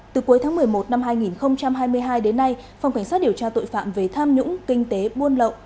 từ cuối tháng một mươi một năm hai nghìn hai mươi hai đến nay phòng cảnh sát điều tra tội phạm về tham nhũng kinh tế buôn lậu